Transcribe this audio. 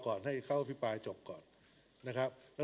ผมขอวิจาระ